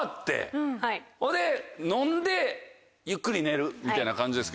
飲んでゆっくり寝るみたいな感じですけど。